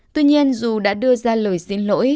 tuy nhiên dù đã đưa ra lời xin lỗi